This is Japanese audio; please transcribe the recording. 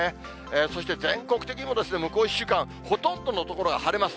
そして全国的にも、向こう１週間、ほとんどの所が晴れます。